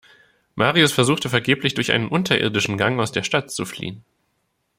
Marius versuchte vergeblich, durch einen unterirdischen Gang aus der Stadt zu fliehen.